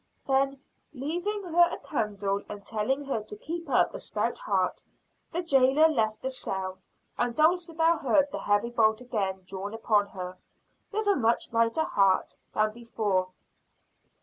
Then, leaving her a candle and telling her to keep up a stout heart, the jailer left the cell; and Dulcibel heard the heavy bolt again drawn upon her, with a much lighter heart, than before.